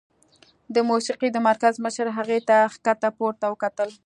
د موسيقۍ د مرکز مشر هغې ته ښکته پورته وکتل.